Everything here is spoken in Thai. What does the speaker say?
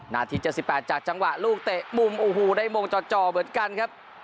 นาทีเจอสิบแปดจากจังหวะลูกเตะมุมอูฮูในมงจอดจอเหมือนกันครับ